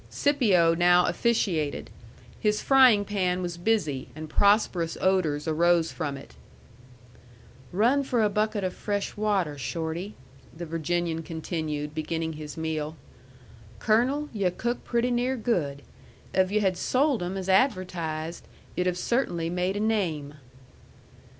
Scipio now officiated. His frying pan was busy, and prosperous odors rose from it. "Run for a bucket of fresh water, Shorty," the Virginian continued, beginning his meal. "Colonel, yu' cook pretty near good. If yu' had sold 'em as advertised, yu'd have cert'nly made a name."